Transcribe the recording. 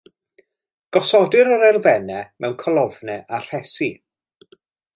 Gosodir yr elfennau mewn colofnau a rhesi.